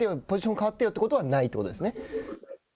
ポジション、変わってよってことはないということですね。